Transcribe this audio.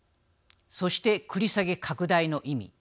そして、繰り下げ拡大の意味。